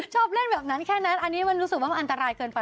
ชอบเล่นแบบนั้นแค่นั้นอันนี้มันรู้สึกว่ามันอันตรายเกินไป